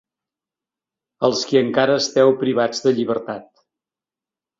Als qui encara esteu privats de llibertat.